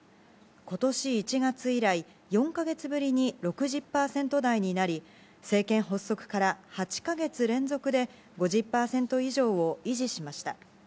ことし１月以来、４か月ぶりに６０％台になり、政権発足から８か月連続で５０％以上を維持しました。